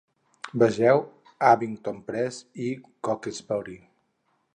Vegeu Abingdon Press i Cokesbury.